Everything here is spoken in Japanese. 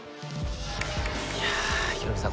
いやヒロミさん